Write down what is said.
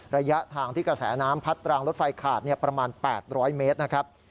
ระยะทางที่กระแสน้ำพัดรางรถไฟขาดประมาณ๘๐๐เมตรนะครับ